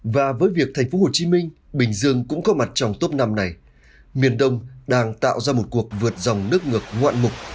và với việc thành phố hồ chí minh bình dương cũng có mặt trong top năm này miền đông đang tạo ra một cuộc vượt dòng nước ngược ngoạn mục